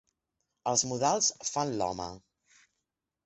Els modals fan l'home.